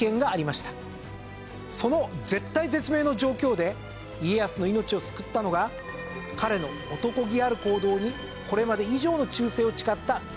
その絶体絶命の状況で家康の命を救ったのが彼のおとこ気ある行動にこれまで以上の忠誠を誓った家臣たち。